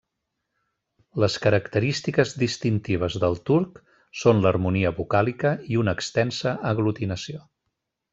Les característiques distintives del turc són l'harmonia vocàlica i una extensa aglutinació.